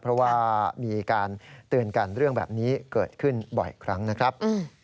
เพราะว่ามีการเตือนกันเรื่องแบบนี้เกิดขึ้นบ่อยครั้งนะครับ